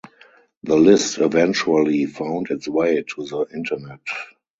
The list eventually found its way to the Internet.